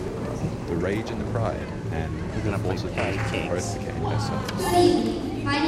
"The Rage and the Pride" and "The Force of Reason" both became bestsellers.